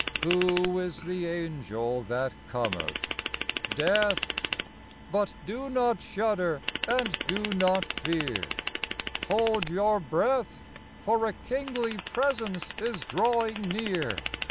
" IV. Who is the Angel that cometh ? Death! But do not shudder and do not fear; Hold your breath, INCOMPLE TENESS. 21 For a kingly presence is drawing near.